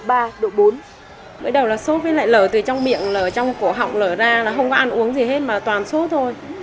bắt đầu là sốt với lại lở từ trong miệng ở trong cổ họng lở ra là không có ăn uống gì hết mà toàn sốt thôi